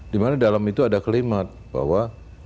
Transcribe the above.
di mana dalam itu ada kelemahat bahwa